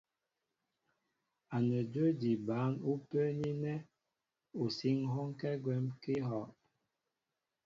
Anədwə́ di bǎn ú pə́ə́ní ánɛ́ ú sí ŋ̀hɔ́ɔ́nkɛ́ gwɛ́m kɛ́ íhɔ́'.